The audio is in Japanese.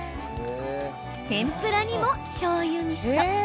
天ぷらにも、しょうゆミスト。